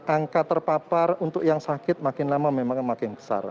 angka terpapar untuk yang sakit makin lama memang makin besar